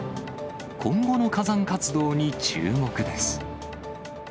今後の火山活動に注目です。